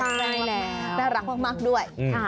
ใช่แล้วน่ารักมากด้วย